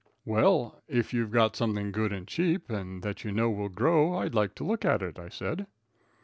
"Well, if you've got something good and cheap, and that you know will grow, I'd like to look at it," I said.